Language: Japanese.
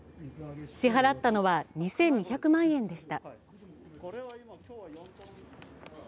支払ったのは２２００万円でした。